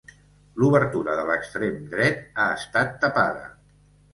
L'obertura de l'extrem dret ha estat tapada.